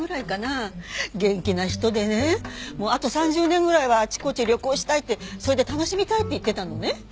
元気な人でねあと３０年ぐらいはあちこち旅行したいってそれで楽しみたいって言ってたのね。